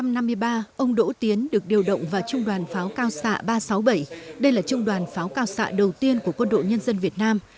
năm năm mươi ba ông đỗ tiến được điều động vào trung đoàn pháo cao xạ ba trăm sáu mươi bảy đây là trung đoàn pháo cao xạ đầu tiên của quân đội nhân dân việt nam